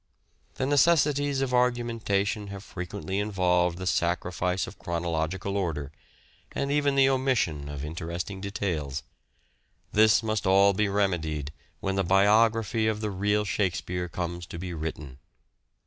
The necessities of argumenta tion have frequently involved the sacrifice of chrono logical order, and even the omission of interesting POSTHUMOUS CONSIDERATIONS 433 details. This must all be remedied when the biography of the real " Shakespeare " comes to be written.